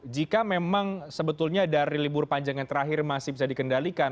jika memang sebetulnya dari libur panjang yang terakhir masih bisa dikendalikan